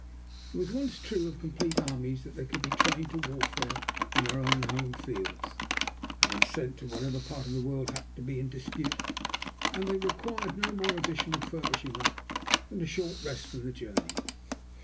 It was once true of complete armies that they could be trained to warfare in their own home fields, and then sent to whatever part of the world happened to be in dispute, and they required no more additional furbishing up than a short rest from the journey.